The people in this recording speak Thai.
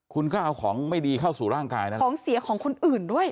คุณก็เอาของไม่ดีเข้าสู่ร่างกายนะของเสียของคนอื่นด้วย